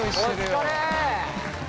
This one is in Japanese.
お疲れ。